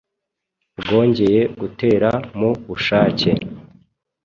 bwongeye gutera mu bushake